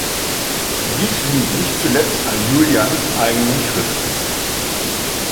Dies liegt nicht zuletzt an Julians eigenen Schriften.